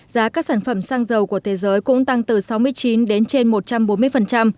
giá các sản phẩm xăng dầu của thế giới cũng tăng từ sáu mươi chín đến trên một trăm bốn mươi